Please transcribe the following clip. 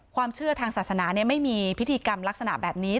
ความเชื่อทางศาสนาไม่มีพิธีกรรมลักษณะแบบนี้